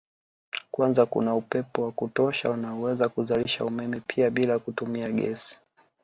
kwanza kuna upepo wa kutosha unaoweza kuzalisha umeme pia bila kutumia gesi